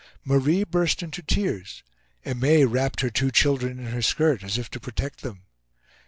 Marie burst into tears. Aimee wrapped her two children in her skirt, as if to protect them.